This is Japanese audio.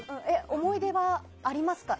思い出はありますか？